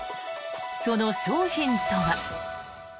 その商品とは。